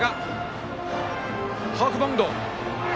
ハーフバウンド。